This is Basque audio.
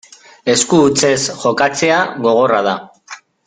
Esku hutsez jokatzea gogorra da.